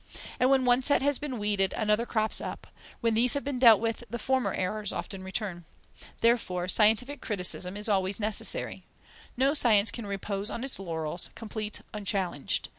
And when one set has been weeded, another crops up; when these have been dealt with, the former errors often return. Therefore scientific criticism is always necessary. No science can repose on its laurels, complete, unchallenged.